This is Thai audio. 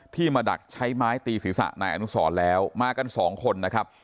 มาดักใช้ไม้ตีศีรษะนายอนุสรแล้วมากันสองคนนะครับ